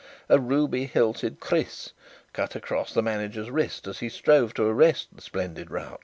A ruby hilted kris cut across the manager's wrist as he strove to arrest the splendid rout.